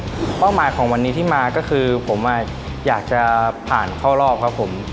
เป้าหมายของวันนี้ที่มาก็คือผมอยากจะผ่านเข้ารอบครับผม